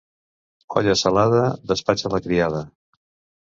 Olla salada, despatxa la criada.